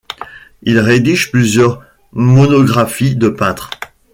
Il rédige plusieurs monographies de peintres.